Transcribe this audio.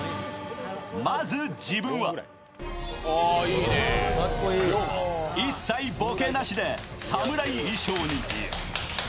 まず、自分は一切ボケなしで侍衣装に。